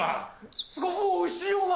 すごくおいしいよな。